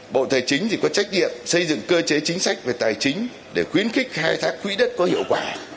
bộ tài chính có trách nhiệm xây dựng cơ chế chính sách về tài chính để khuyến khích khai thác quỹ đất có hiệu quả